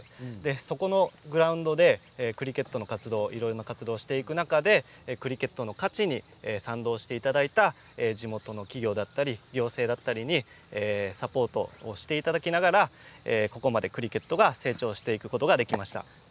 そこのグラウンドでクリケットの活動いろんな活動をしていく中でクリケットの価値に賛同していただいた地元の企業だったり行政だったりにサポートをしていただきながらここまでクリケットが成長していくことができました。